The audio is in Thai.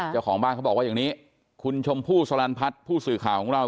เจ้าของบ้านเขาบอกว่าอย่างนี้คุณชมพู่สลันพัฒน์ผู้สื่อข่าวของเรา